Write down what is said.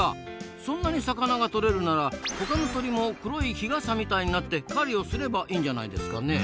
そんなに魚がとれるならほかの鳥も黒い日傘みたいになって狩りをすればいいんじゃないですかねえ？